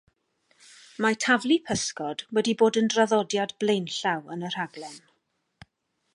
Mae taflu pysgod wedi bod yn draddodiad blaenllaw yn y rhaglen.